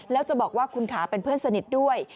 แล้วจะบอกว่าคุณขาเป็นเพื่อนสนิทด้วย